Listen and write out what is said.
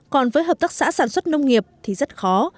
còn với hợp tác xã sản xuất nông nghiệp thì rất khó